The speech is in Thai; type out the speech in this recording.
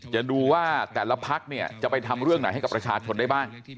จะดูว่าแต่ละพักเนี่ยจะไปทำเรื่องไหนให้กับประชาชนได้บ้าง